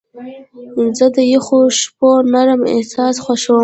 زه د یخو شپو نرم احساس خوښوم.